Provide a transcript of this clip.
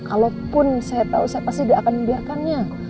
kalaupun saya tahu saya pasti tidak akan membiarkannya